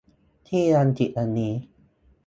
ที่อังกฤษวันนี้